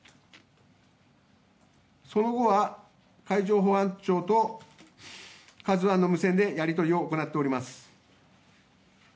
その後は、海上保安庁と「ＫＡＺＵ１」の無線でやり取りを行っております。